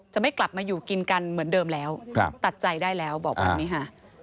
ไม่กลับมาอยู่กินกันเหมือนเดิมแล้วตัดใจได้แล้วบอกแบบนี้ค่ะ